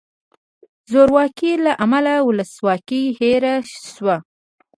زورواکۍ له امله ولسواکي هیره شوه.